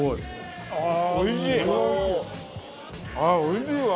あっおいしいわ。